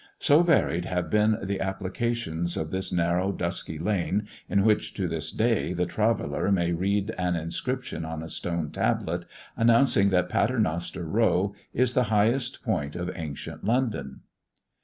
So varied have been the applications of this narrow dusky lane, in which, to this day, the traveller may read an inscription on a stone tablet, announcing that Paternoster row is the highest point of ancient London.